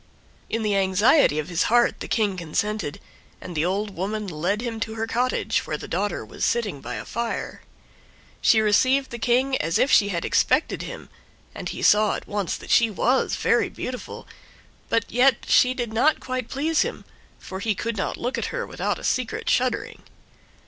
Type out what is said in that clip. In the anxiety of his heart the King consented, and the old woman led him to her cottage, where the daughter was sitting by a fire. She received the King as if she had expected him, and he saw at once that she was very beautiful, but yet she did not quite please him, for he could not look at her without a secret shuddering.